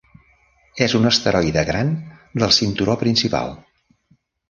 És un asteroide gran del cinturó principal.